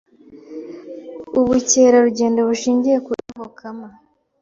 Ubukera rugendo bushingiye ku iyobokama